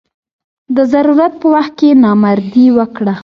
د ضرورت په وخت کې نامردي وکړه.